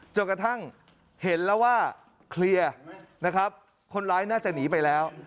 จนกระทั่งเห็นแล้วว่าเคลียร์นะครับคนร้ายน่าจะหนีไปแล้ว